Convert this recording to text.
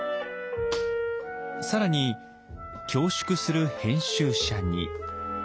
更に恐縮する編集者に。